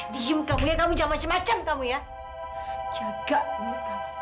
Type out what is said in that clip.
diam kamu ya kamu jangan macam macam ya jaga umur kamu